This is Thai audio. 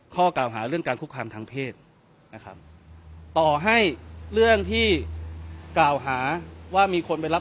ข้อกล่าวหาเรื่องการคุกคามทางเพศนะครับต่อให้เรื่องที่กล่าวหาว่ามีคนไปรับ